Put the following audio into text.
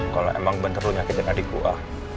kalau emang benar lu nyakitin adik gua